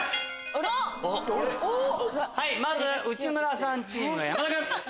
まず内村さんチームが山田君。